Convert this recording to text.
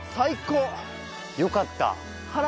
よかった。